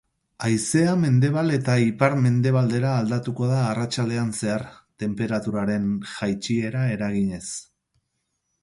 Haizea mendebal eta ipar-mendebaldera aldatuko da arratsaldean zehar, tenperaturaren jaitsiera eraginez.